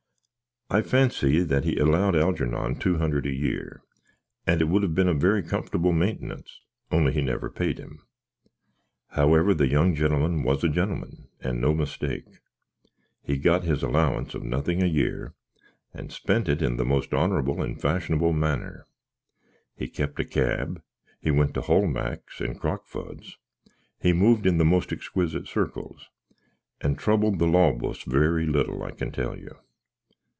I phansy that he aloud Halgernon two hunderd a year; and it would have been a very comforable maintenants, only he knever paid him. Owever, the young gnlmn was a gnlmn, and no mistake: he got his allowents of nothink a year, and spent it in the most honrabble and fashnabble manner. He kep a kab he went to Holmax and Crockfud's he moved in the most xquizzit suckles and trubbld the law boos very little, I can tell you.